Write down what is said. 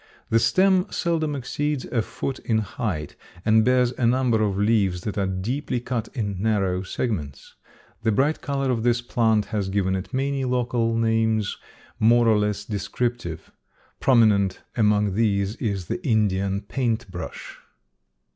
The stem seldom exceeds a foot in height and bears a number of leaves that are deeply cut in narrow segments. The bright color of this plant has given it many local common names more or less descriptive. Prominent among these is the Indian paint brush.